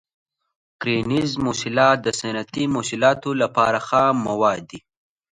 کرنیز محصولات د صنعتي محصولاتو لپاره خام مواد دي.